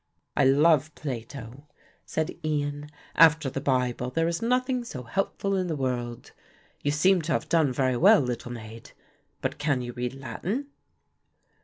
"I love Plato," said Ian. "After the Bible there is nothing so helpful in the world. You seem to have done very well, little maid; but can you read Latin?"